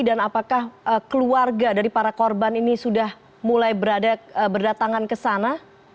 dan apakah keluarga dari para korban ini sudah mulai berdatangan ke sana